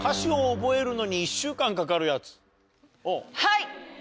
はい。